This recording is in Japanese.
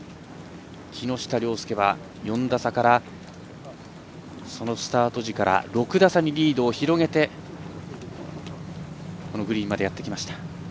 木下稜介は４打差からそのスタート時から６打差にリードを広げてこのグリーンまでやって来ました。